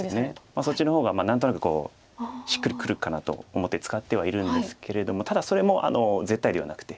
そっちの方が何となくしっくりくるかなと思って使ってはいるんですけれどもただそれも絶対ではなくて。